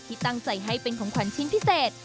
ที่ตั้งใจให้เป็นของขวัญชิ้นพิเศษ